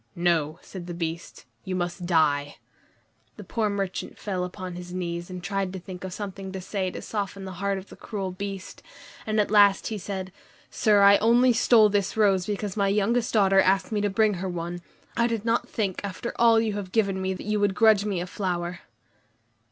"No," said the Beast, "you must die!" The poor merchant fell upon his knees and tried to think of something to say to soften the heart of the cruel Beast; and at last he said, "Sir, I only stole this rose because my youngest daughter asked me to bring her one. I did not think, after all you have given me, that you would grudge me a flower."